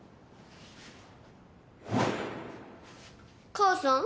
母さん？